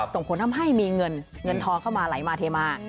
ส่งผลทำให้มีเงินเงินทองเข้ามาไหลมาเทมา